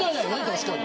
確かに。